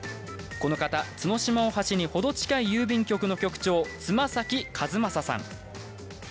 この方、角島大橋に程近い郵便局の局長・妻崎和雅さん。